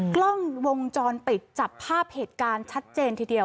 กล้องวงจรปิดจับภาพเหตุการณ์ชัดเจนทีเดียว